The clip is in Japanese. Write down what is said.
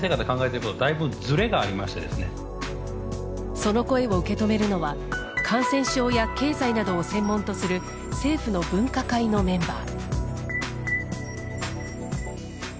その声を受け止めるのは感染症や経済などを専門とする政府の分科会のメンバー。